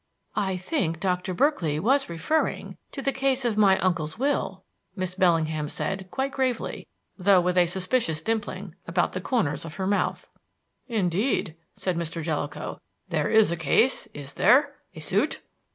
"I think Doctor Berkeley was referring to the case of my uncle's will," Miss Bellingham said quite gravely, though with a suspicious dimpling about the corners of her mouth. "Indeed," said Mr. Jellicoe. "There is a case, is there; a suit?"